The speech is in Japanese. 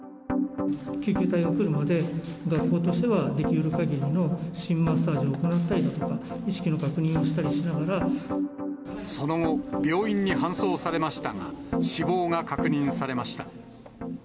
救急隊が来るまで、学校としてはできるかぎりの心臓マッサージを行ったり、意識の確その後、病院に搬送されましたが、死亡が確認されました。